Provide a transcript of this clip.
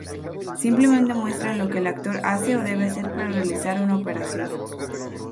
Simplemente muestran lo que el actor hace o debe hacer para realizar una operación.